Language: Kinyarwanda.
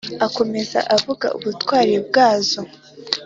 akomeza avuga ubutwari bwazo